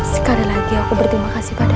sekali lagi aku berterima kasih pada